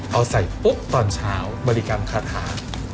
เอาใส่ปุ๊บตอนเช้าบริกรรมคาถา